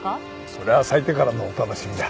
それは咲いてからのお楽しみだ。